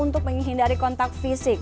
untuk menghindari kontak fisik